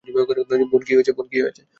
বোন, কি হয়েছে?